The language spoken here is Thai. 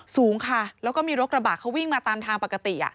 สูงค่ะแล้วก็มีรถกระบะเขาวิ่งมาตามทางปกติ